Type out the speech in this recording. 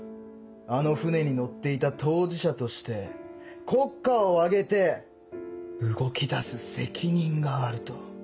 あの船に乗っていた当事者として国家を挙げて動き出す責任がある」と。